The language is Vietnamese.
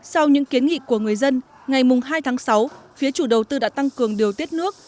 sau những kiến nghị của người dân ngày hai tháng sáu phía chủ đầu tư đã tăng cường điều tiết nước